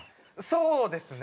そうですね。